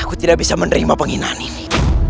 aku tidak bisa menerima penghinaan ini